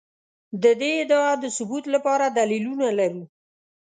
د دې ادعا د ثبوت لپاره دلیلونه لرو.